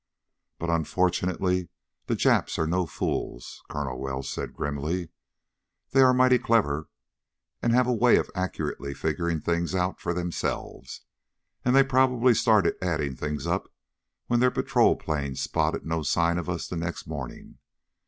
"But, unfortunately, the Japs are no fools," Colonel Welsh said grimly. "They are mighty clever, and have a way of accurately figuring things out for themselves. And they probably started adding things up when their patrol planes spotted no sign of us the next morning.